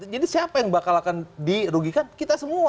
jadi siapa yang bakal akan dirugikan kita semua